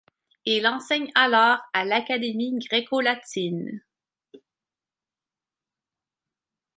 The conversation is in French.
Il enseigne alors à l'Académie greco-latine.